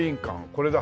これだ。